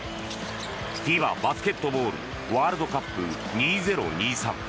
ＦＩＢＡバスケットボールワールドカップ２０２３。